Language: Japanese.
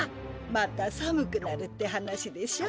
また寒くなるって話でしょ。